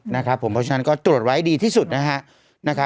เพราะฉะนั้นก็ตรวจไว้ดีที่สุดนะฮะ